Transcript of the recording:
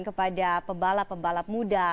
kepada pebalap pebalap muda